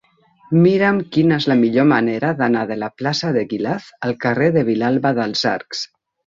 Mira'm quina és la millor manera d'anar de la plaça d'Eguilaz al carrer de Vilalba dels Arcs.